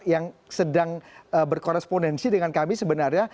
yang sedang berkorespondensi dengan kami sebenarnya